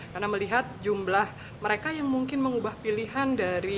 karena melihat jumlah mereka yang mungkin mengubah pilihan